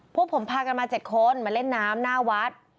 พวกผมพากันมา๗คนมาเล่นน้ำหน้าวัด